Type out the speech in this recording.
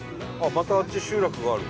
またあっち集落がある。